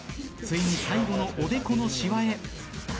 ついに最後のおでこのシワへ。